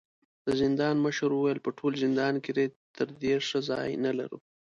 د زندان مشر وويل: په ټول زندان کې تر دې ښه ځای نه لرو.